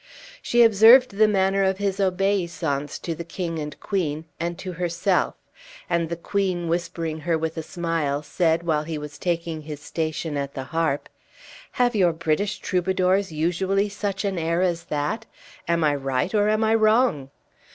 She observed the manner of his obeisance to the king and queen, and to herself, and the queen whispering her with a smile, said, while he was taking his station at the harp, "Have your British troubadours usually such an air as that? Am I right, or am I wrong?"